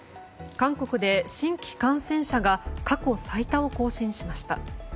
韓国で新規感染者が過去最多を更新しました。